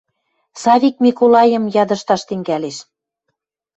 Савик Миколайым ядышташ тӹнгӓлеш: